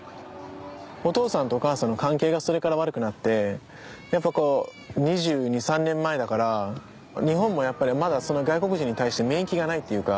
お父さんとお母さんの関係がそれから悪くなってやっぱこう２２２３年前だから日本もまだ外国人に対して免疫がないっていうか。